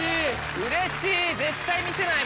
うれしい。